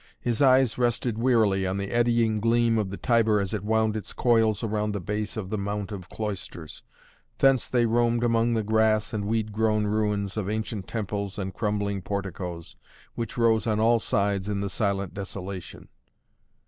His eyes rested wearily on the eddying gleam of the Tiber as it wound its coils round the base of the Mount of Cloisters, thence they roamed among the grass and weed grown ruins of ancient temples and crumbling porticoes, which rose on all sides in the silent desolation.